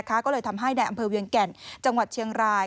ก็เลยทำให้ในอำเภอเวียงแก่นจังหวัดเชียงราย